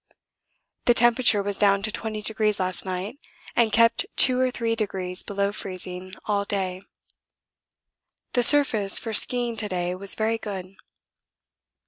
The temperature was down to 20° last night and kept 2 or 3 degrees below freezing all day. The surface for ski ing to day was very good.